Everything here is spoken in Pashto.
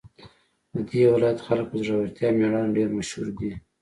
د دې ولایت خلک په زړورتیا او میړانه ډېر مشهور دي